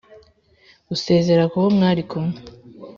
usezera ku bo mwari kumwe,